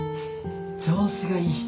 調子がいい人。